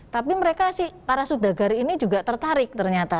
tapi mereka si para sudagari ini juga tertarik ternyata